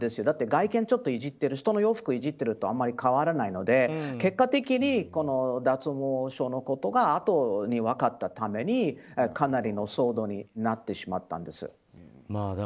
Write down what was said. だって外見をちょっといじってる服装をいじっているのとあまり変わらないので結果的に脱毛症のことがあとに分かったためにかなりの騒動になってしまったんです。